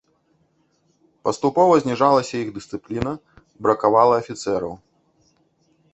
Паступова зніжалася іх дысцыпліна, бракавала афіцэраў.